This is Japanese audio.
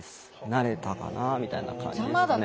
なれたかなみたいな感じですかね。